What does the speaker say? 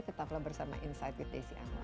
tetaplah bersama insight with desi anwar